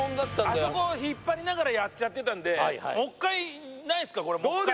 あそこを引っ張りながらやっちゃってたんでどうですか？